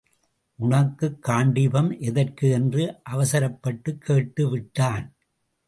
உனக்குக் காண்டீபம் எதற்கு என்று அவசரப்பட்டுக் கேட்டு விட்டான்.